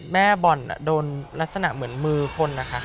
แม่บอลโดนลักษณะเหมือนมือคน